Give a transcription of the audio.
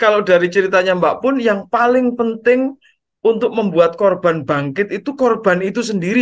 kalau dari ceritanya mbak pun yang paling penting untuk membuat korban bangkit itu korban itu sendiri